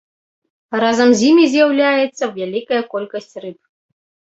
Разам з імі з'яўляецца вялікая колькасць рыб.